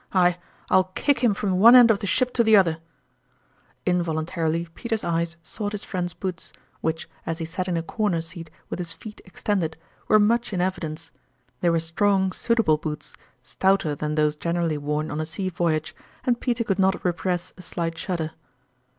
I I'll kick him from one end of the ship to the other !" Involuntarily Peter's eyes sought his friend's boots, which, as he sat in a corner seat with his feet extended, were much in evi dence ; they were strong, suitable boots, stouter than those generally worn on a sea voyage, and Peter could not repress a slight shudder.